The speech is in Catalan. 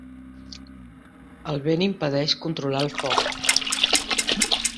El vent impedeix controlar el foc.